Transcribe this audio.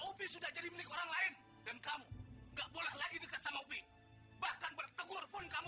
ubi sudah jadi milik orang lain dan kamu gak boleh lagi dekat sama opi bahkan bertegur pun kamu